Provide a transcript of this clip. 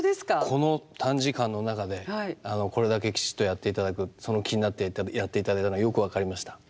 この短時間の中でこれだけきちっとやっていただくその気になってやっていただいたのがよく分かりました。